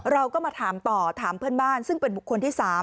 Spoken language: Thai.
เราก็มาถามต่อถามเพื่อนบ้านซึ่งเป็นบุคคลที่๓